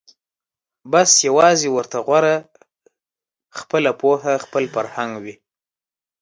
بس یوازي ورته غوره خپله پوهه خپل فرهنګ وي